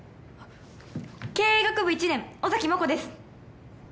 経営学部１年尾崎真心です。